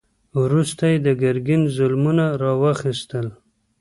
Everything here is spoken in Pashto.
وروسته یې د ګرګین ظلمونه را واخیستل.